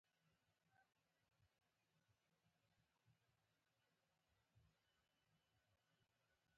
د تازه سبزیو او میوو خوړل بدن ته وټامینونه ورکوي.